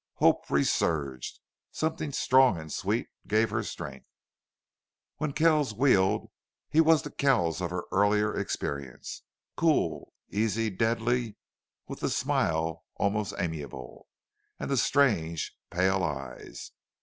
Hope resurged. Something strong and sweet gave her strength. When Kells wheeled he was the Kells of her earlier experience cool, easy, deadly, with the smile almost amiable, and the strange, pale eyes.